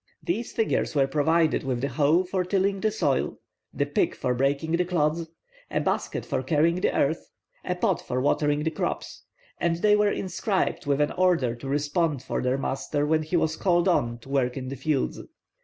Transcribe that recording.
These figures were provided with the hoe for tilling the soil, the pick for breaking the clods, a basket for carrying the earth, a pot for watering the crops, and they were inscribed with an order to respond for their master when he was called on to work in the fields.